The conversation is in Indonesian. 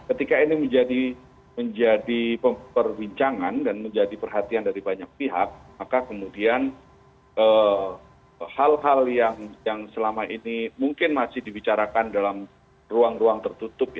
ketika ini menjadi perbincangan dan menjadi perhatian dari banyak pihak maka kemudian hal hal yang selama ini mungkin masih dibicarakan dalam ruang ruang tertutup